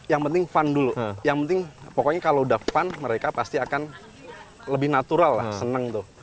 yang penting fun dulu yang penting pokoknya kalau udah fun mereka pasti akan lebih natural lah seneng tuh